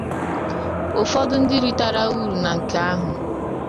ụfọdụ ndị ritara urù na nke ahụ